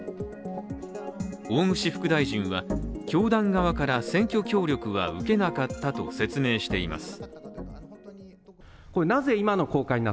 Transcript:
大串副大臣は、教団側から選挙協力は受けなかったと説明しています。